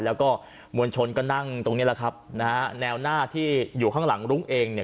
แล้วก็มวลชนก็นั่งตรงนี้แหละครับนะฮะแนวหน้าที่อยู่ข้างหลังรุ้งเองเนี่ย